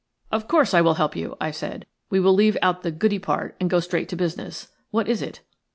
"Of course I will help you," I said. "We will leave out the goody part and go straight to business. What is it?"